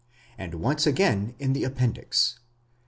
and once again in the appendix (xxi.